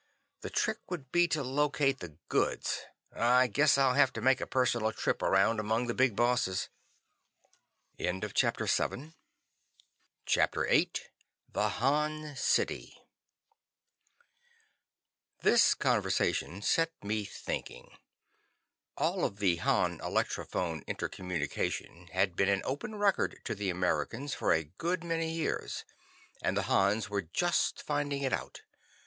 The trick would be to locate the goods. I guess I'll have to make a personal trip around among the Big Bosses." CHAPTER VIII The Han City This conversation set me thinking. All of the Han electrophone inter communication had been an open record to the Americans for a good many years, and the Hans were just finding it out.